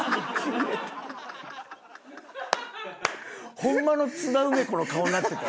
ホンマの津田梅子の顔になってたよ。